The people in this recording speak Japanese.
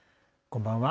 こんばんは。